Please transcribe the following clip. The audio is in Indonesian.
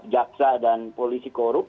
jaksa dan polisi korup